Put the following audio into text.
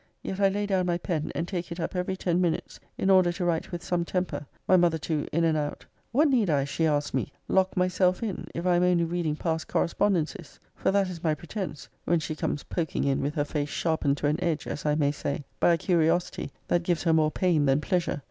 Yet I lay down my pen, and take it up every ten minutes, in order to write with some temper my mother too, in and out What need I, (she asks me,) lock myself in, if I am only reading past correspondencies? For >>> that is my pretence, when she comes poking in with her face sharpened to an edge, as I may say, by a curiosity that gives her more pain than pleasure.